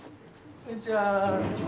こんにちは。